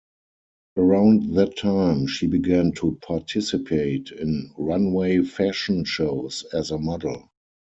Around that time, she began to participate in runway fashion shows as a model.